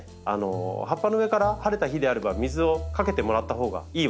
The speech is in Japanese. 葉っぱの上から晴れた日であれば水をかけてもらったほうがいいわけです。